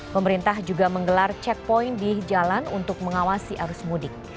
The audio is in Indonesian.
pemerintah juga menggelar checkpoint di jalan untuk mengawasi arus mudik